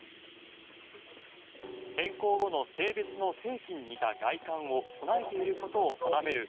変更後の性別の性器に似た外観を備えていることを定める